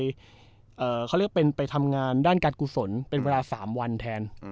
เขาเรียกเป็นไปทำงานด้านการกุศลเป็นเวลา๓วันแทน